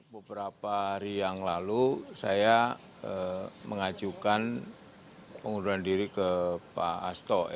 beberapa hari yang lalu saya mengajukan pengunduran diri ke pak asto